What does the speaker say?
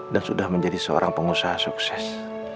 dan sudah menjadi seorang pengusaha sukses